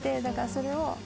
だからそれを。